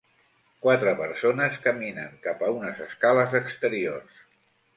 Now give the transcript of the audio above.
Quatre persones caminen cap a unes escales exteriors.